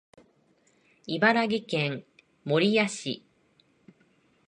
茨城県守谷市